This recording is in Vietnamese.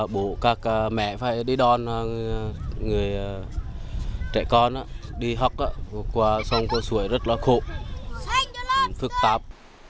bố các mẹ phải đi đón trẻ con đi học xong cô xuổi rất là khổ phức tạp